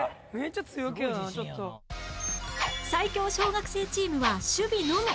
最強小学生チームは守備のみ